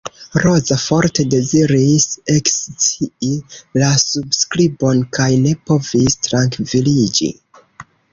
Roza forte deziris ekscii la surskribon kaj ne povis trankviliĝi.